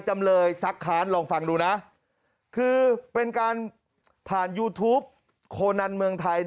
จำเลยซักค้านลองฟังดูนะคือเป็นการผ่านยูทูปโคนันเมืองไทย